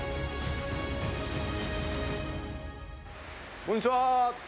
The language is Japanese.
こんにちは。